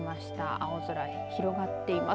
青空、広がっています。